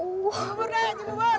cibubur cibubur cibubur